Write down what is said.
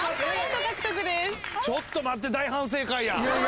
ちょっと待って大反省会や。